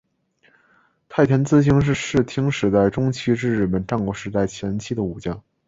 太田资清是室町时代中期至日本战国时代前期的武将。